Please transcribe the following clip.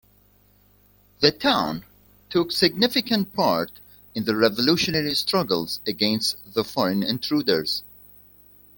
The town took significant part in the revolutionary struggles against the foreign intruders.